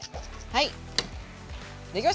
はい。